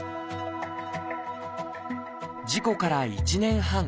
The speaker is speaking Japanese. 事故から１年半。